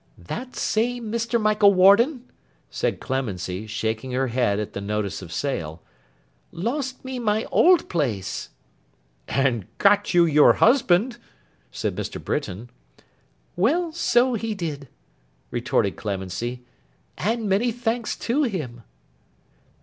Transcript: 'That same Mr. Michael Warden,' said Clemency, shaking her head at the notice of sale, 'lost me my old place.' 'And got you your husband,' said Mr. Britain. 'Well! So he did,' retorted Clemency, 'and many thanks to him.